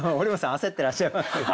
焦ってらっしゃいますけど。